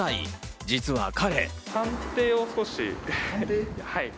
実は彼。